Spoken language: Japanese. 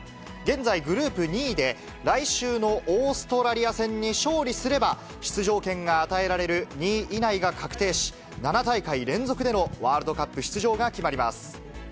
現在、グループ２位で来週のオーストラリア戦に勝利すれば、出場権が与えられる２位以内が確定し、７大会連続でのワールドカップ出場が決まります。